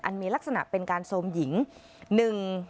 มีลักษณะเป็นการโทรมหญิงหนึ่ง